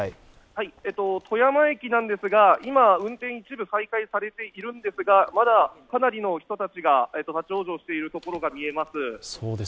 富山駅なんですが、今、運転は一部再開されているんですが、まだかなりの人たちが立往生しているところが見えます